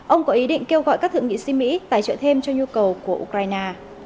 ông có ý định kêu gọi các thượng nghị si mỹ tài trợ thêm cho nhu cầu của ukraine